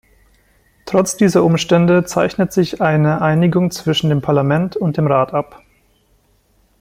Trotz dieser Umstände zeichnet sich eine Einigung zwischen dem Parlament und dem Rat ab.